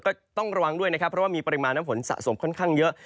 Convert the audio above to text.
ก็ต้องระวังด้วยนะครับเพราะว่ามีปริมาณน้ำฝนสะสมค่อนข้างเยอะ